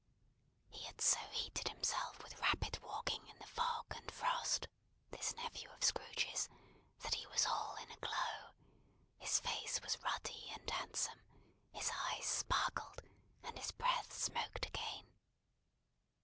He had so heated himself with rapid walking in the fog and frost, this nephew of Scrooge's, that he was all in a glow; his face was ruddy and handsome; his eyes sparkled, and his breath smoked again.